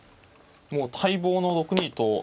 もう待望の６二と。